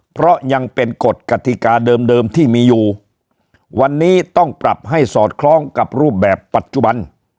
เพราะยังเป็นกฎกติกาเดิมเดิมที่มีอยู่วันนี้ต้องปรับให้สอดคล้องกับรูปแบบปัจจุบัน